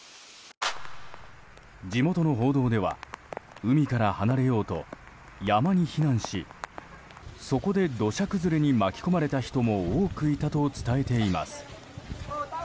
地元の報道では海から離れようと山に避難しそこで土砂崩れに巻き込まれた人も多くいたと伝えています。